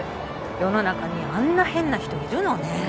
世の中にあんな変な人いるのね。